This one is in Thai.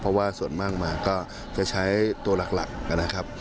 เพราะว่าส่วนมากมาก็จะใช้ตัวหลักนะครับ